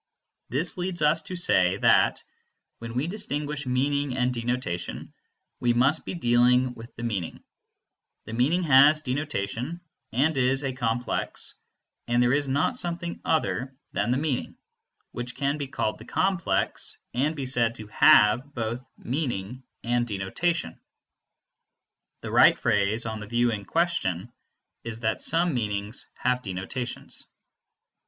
This leads us to say that, when we distinguish meaning and denotation, we must be dealing with the meaning: the meaning has denotation and is a complex, and there is not something other than the meaning, which can be called the complex, and be said to have both meaning and denotation. The right phrase, on the view in question, is that some meanings have denotations.